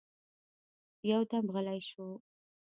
يودم غلی شو.